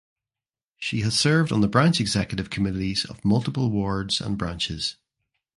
She has served on the branch executive committees of multiple wards and branches.